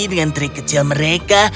dengan trik kecil mereka